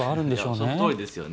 そのとおりですよね。